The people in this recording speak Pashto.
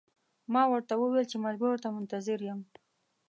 ما ورته وویل چې ملګرو ته منتظر یم.